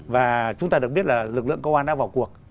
và chúng ta được biết là lực lượng công an đã vào cuộc